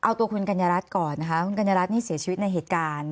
เอาตัวคุณกัญญารัฐก่อนนะคะคุณกัญญารัฐนี่เสียชีวิตในเหตุการณ์